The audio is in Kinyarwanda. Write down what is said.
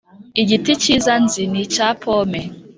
Igiti kiza nzi ni icya pomme